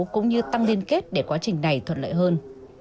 cũng như tăng liên kết để quá trình này thuận lợi hơn